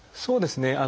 そうですね。